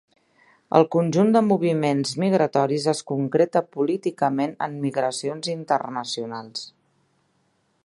El conjunt de moviments migratoris es concreta políticament en migracions internacionals.